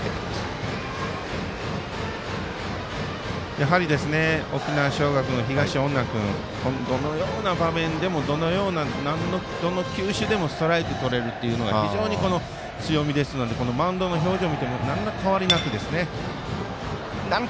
やはり沖縄尚学の東恩納君どのような場面でもどの球種でもストライクとれるというのが非常に強みですのでこのマウンドの表情を見てもなんら変わりなく。